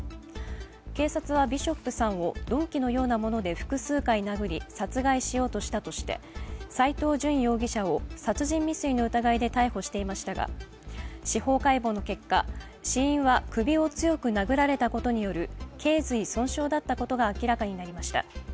警察はビショップさんを鈍器のようなもので複数回殴り殺害しようとしたとして斉藤淳容疑者を殺人未遂の疑いで逮捕していましたが司法解剖の結果、死因は首を強く殴られたことによるけい髄損傷だったことが明らかになりました。